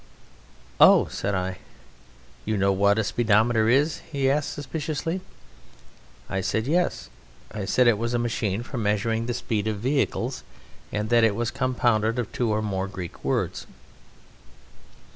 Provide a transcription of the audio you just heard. "Oh!" said I. "You know what a speedometer is?" he asked suspiciously. I said yes. I said it was a machine for measuring the speed of vehicles, and that it was compounded of two (or more) Greek words.